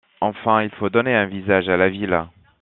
Enfin, il faut donner un visage à la ville.